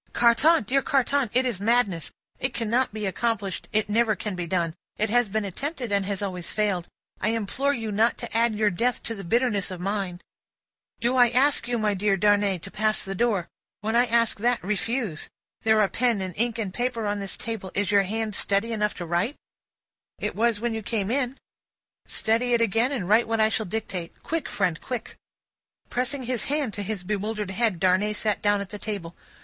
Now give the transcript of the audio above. "Carton! Dear Carton! It is madness. It cannot be accomplished, it never can be done, it has been attempted, and has always failed. I implore you not to add your death to the bitterness of mine." "Do I ask you, my dear Darnay, to pass the door? When I ask that, refuse. There are pen and ink and paper on this table. Is your hand steady enough to write?" "It was when you came in." "Steady it again, and write what I shall dictate. Quick, friend, quick!" Pressing his hand to his bewildered head, Darnay sat down at the table.